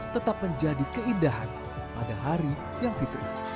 tetap menjadi keindahan pada hari yang fitri